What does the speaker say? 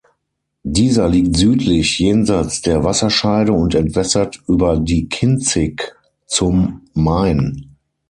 Dieser liegt südlich jenseits der Wasserscheide und entwässert über die Kinzig zum Main.